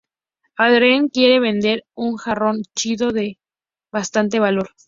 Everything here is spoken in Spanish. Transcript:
Adrien quiere vender un jarrón chino, de bastante valor.